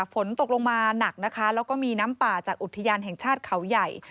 ฝนตกลงมาหนักนะคะแล้วก็มีน้ำป่าจากอุทยานแห่งชาติเขาใหญ่